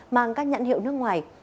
mang các nhãn hiệu nước ngoài